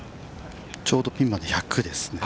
◆ちょうどピンまで１００ですね。